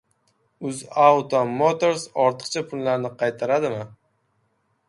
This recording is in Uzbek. “UzAuto Motors” ortiqcha pullarni qaytaradimi?